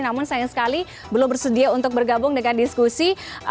namun sayang sekali belum bersedia untuk bergabung dengan diskusi